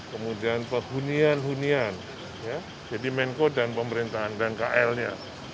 kemudian pehunian hunian jadi menko dan pemerintahan dan kl nya